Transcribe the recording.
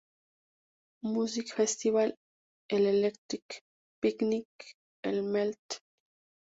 Music Festival", el "Electric Picnic", el "Melt!